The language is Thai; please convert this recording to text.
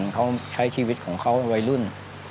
เขาใช้ชีวิตของเขาวัยรุ่น